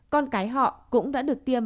con cái họ cũng đã được tiêm